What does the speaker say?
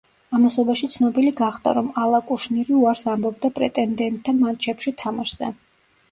ამასობაში ცნობილი გახდა რომ ალა კუშნირი უარს ამბობდა პრეტენდენტთა მატჩებში თამაშზე.